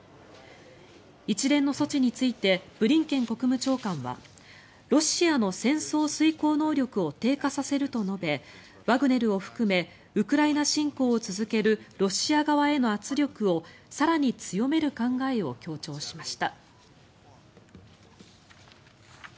一連の措置についてブリンケン国務長官はロシアの戦争遂行能力を低下させると述べワグネルを含めウクライナ侵攻を続けるロシア側への圧力を更に強める考えを強調しました。